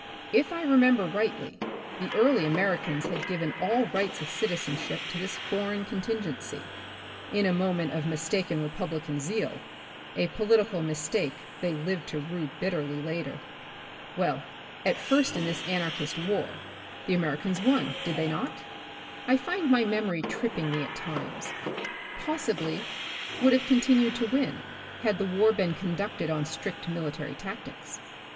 (If I remember rightly the early Americans had given all rights of citizenship to this foreign contingency, in a moment of mistaken Republican zeal, a polit ical mistake they lived to rue bitterly later). Well, at first i.n this anarchist war, the Ameri The Republic of the Future, 49 cans won, did they not ? I find my memory tripping me at times — possibly would have con tinued to win had the war been conducted on strict military tactics.